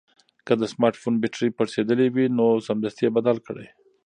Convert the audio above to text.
که د سمارټ فون بېټرۍ پړسېدلې وي نو سمدستي یې بدل کړئ.